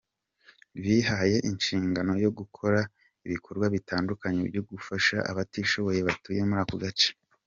Bihaye inshingani yo gukora ibikorwa bitandukanye byo gufasha abatishoboye batuye muri ako gace.